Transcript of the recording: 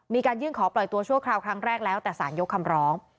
มีการยื่นขอปล่อยตัวชั่วคราวครั้งแรกแล้วแต่สารยกคำร้อง